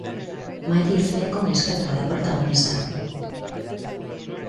Maddi izeneko neskatoa da protagonista.